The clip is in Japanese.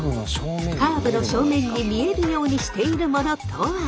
カーブの正面に見えるようにしているものとは？